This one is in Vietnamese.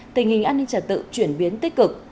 tình hình an ninh trật tự chuyển biến tích cực